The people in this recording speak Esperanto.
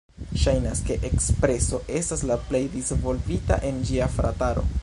Ŝajnas ke Ekspreso estas la plej disvolvita el ĝia "frataro".